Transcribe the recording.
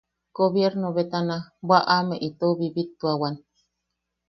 Gobiernobetana bwaʼame itou bibituawan.